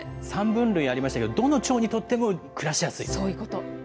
３分類ありましたけれども、どのチョウにとっても暮らしやすそういうこと。